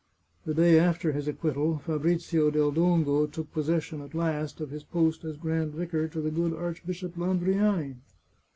The day after his acquittal, Fabrizio del Dongo took possession, at last, of his post as grand vicar to the good Archbishop Landriani.